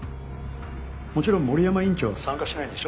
もちろん森山院長は参加しないんでしょ？